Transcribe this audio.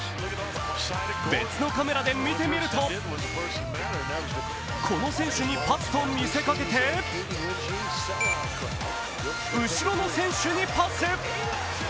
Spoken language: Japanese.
別のカメラで見てみると、この選手にパスと見せかけて後ろの選手にパス。